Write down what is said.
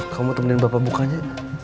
kamu temenin bapak bukanya